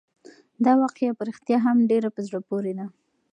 دا واقعه په رښتیا هم ډېره په زړه پورې ده.